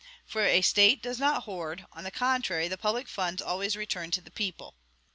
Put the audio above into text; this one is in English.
For a State does not hoard; on the contrary, the public funds always return to the people.